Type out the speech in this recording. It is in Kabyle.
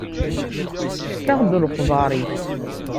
Efk-aɣ-d lexbar-ik.